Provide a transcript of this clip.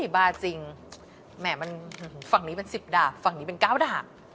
บ้าจริงฝั่งนี้เป็นสิบดาบฝั่งนี้เป็นเก้าดาบ